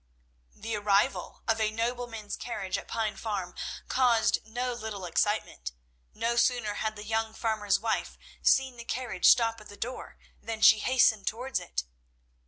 The arrival of a nobleman's carriage at Pine Farm caused no little excitement. No sooner had the young farmer's wife seen the carriage stop at the door than she hastened towards it.